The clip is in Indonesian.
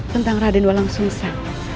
tentang raden walang sungsang